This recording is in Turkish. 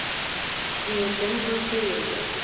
Niyetim bu değildi.